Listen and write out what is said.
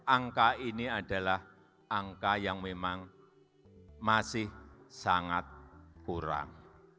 angka ini adalah angka yang memang masih sangat kurang